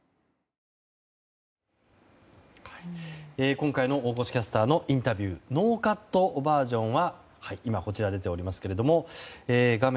今回の大越キャスターのインタビューノーカットバージョンはこちら出ておりますが画面